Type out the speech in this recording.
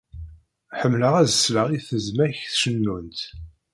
Ḥemleɣ ad sleɣ i tezmak cennunt.